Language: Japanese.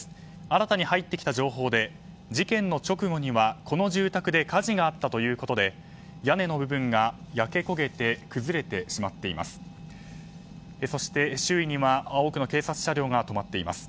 新たに入ってきた情報で事件の直後にはこの住宅で火事があったということで屋根の部分が焼け焦げて崩れてしまっています。